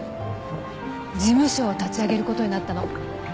事務所を立ち上げることになったの。